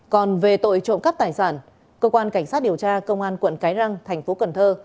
còn về tội trộm cắp tài sản cơ quan cảnh sát điều tra công an quận cái răng thành phố cần thơ